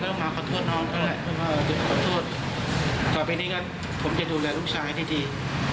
เป็นไม้ติดกรองที่เราประดิษฐ์ขึ้นมาเองเนี่ย